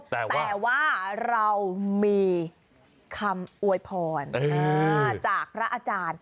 แต่ว่าเรามีคำอวยพรจากพระอาจารย์